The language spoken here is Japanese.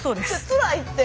つらいって！